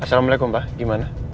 assalamualaikum pak gimana